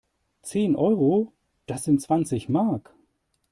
Zehn Euro? Das sind zwanzig Mark!